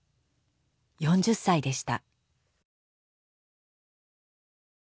４０歳でした。